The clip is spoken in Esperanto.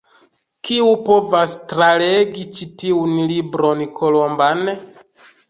Kiu povas tralegi ĉi tiun Libron Kolomban?